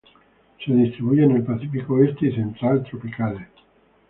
Se distribuye en el Pacífico oeste y central tropicales.